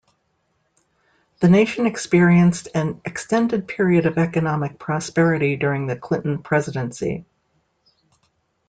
The nation experienced an extended period of economic prosperity during the Clinton presidency.